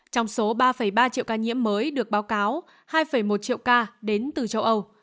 trong số ba ba triệu ca nhiễm mới được báo cáo hai một triệu ca đến từ châu âu